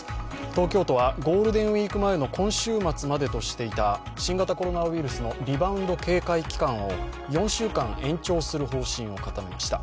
東京都はゴールデンウイーク前の今週末までとしていた新型コロナウイルスのリバウンド警戒期間を４週間延長する方針を固めました。